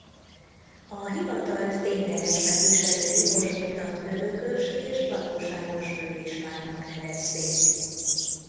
A hivatalt ténylegesen viselő jogosultat örökös és valóságos főispánnak nevezték.